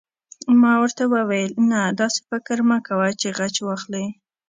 ما ورته وویل: نه، داسې فکر مه کوه چې غچ واخلې.